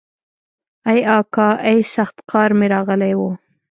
ای اکا ای سخت قار مې راغلی و.